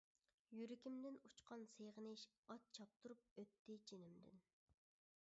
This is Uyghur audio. يۈرىكىمدىن ئۇچقان سېغىنىش، ئات چاپتۇرۇپ ئۆتتى جېنىمدىن.